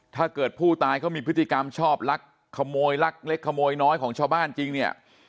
ถ้าเกิดผู้ตายเขามีพฤติกรรมชอบลักขโมยลักเล็กขโมยน้อยของชาวบ้านจริงเนี่ย